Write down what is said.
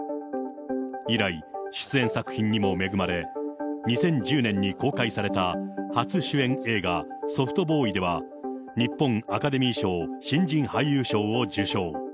以来、出演作品にも恵まれ、２０１０年に公開された初主演映画、ソフトボーイでは、日本アカデミー賞新人俳優賞を受賞。